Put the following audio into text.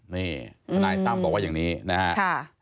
นี่ทนายตั้มบอกว่าอย่างนี้นะครับ